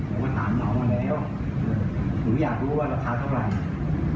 ผมก็ถามน้องมาแล้วหนูอยากรู้ว่าราคาเท่าไหร่